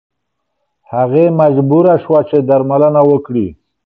هغې مجبوره شوه چې درملنه وکړي.